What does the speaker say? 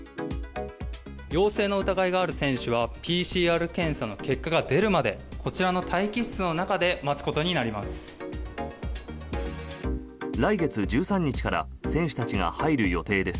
陽性の疑いがある選手はＰＣＲ検査の結果が出るまでこちらの待機室の中で待つことになります。